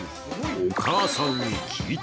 お母さんに聞いた。